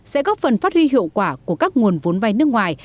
sẽ góp phần phát huy hiệu quả của các nguồn vốn vay nước ngoài